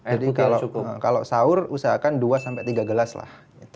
jadi kalau sahur usahakan dua sampai tiga gelas lah